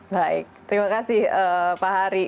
baik terima kasih pak hari